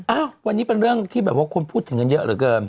อ้าววันนี้เป็นเรื่องที่แบบว่าคนพูดถึงกันเยอะเหลือเกิน